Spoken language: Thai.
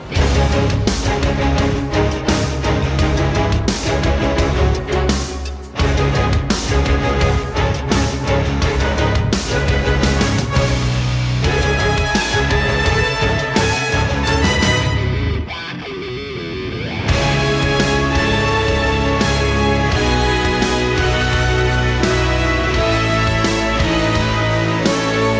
โปรดติดตามตอนต่อไป